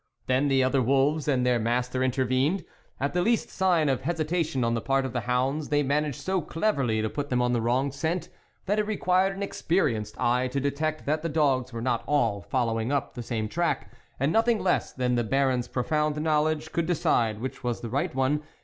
Then the other wolves and their master intervened ; at the least sign of hesitation on the part of the hounds, they managed so cleverly to put them on the wrong scent, that it required an experienced eye to detect that the dogs were not all following up the same track, and nothing less than the Barons' profound knowledge could decide which was the right one.